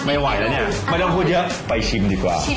ไม่ไหวแล้วเนี่ยไม่ต้องพูดเยอะไปชิมดีกว่า